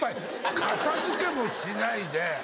片付けもしないで。